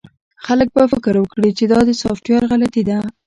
خلک به فکر وکړي چې دا د سافټویر غلطي ده